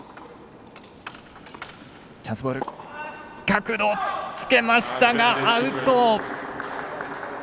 角度をつけましたがアウト。